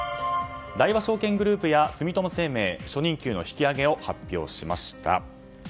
大和証券グループや住友生命初任給の引き上げを発表しました。